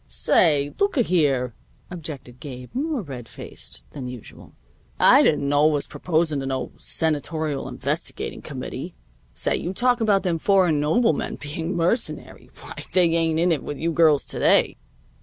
"Say, looka here," objected Gabe, more red faced than usual, "I didn't know was proposing to no Senatorial investigating committee. Say, you talk about them foreign noblemen being mercenary! Why, they ain't in it with you girls to day.